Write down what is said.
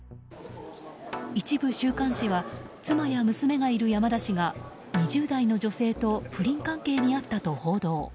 一部週刊誌は妻や娘がいる山田氏が２０代の女性と不倫関係にあったと報道。